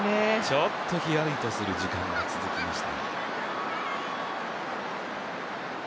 ちょっとひやりとする時間が続きました。